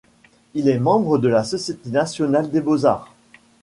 Il est membre de la Société nationale des beaux-arts.